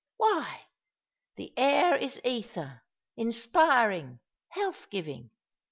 Why, the air is ether — inspiring, health giving